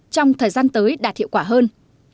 trong thời gian tới đạt hiệu quả hơn